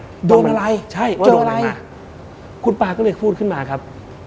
ว่าโจมอะไรใช่ว่าโจมอะไรมาคุณปลาก็เลยพูดขึ้นมาครับ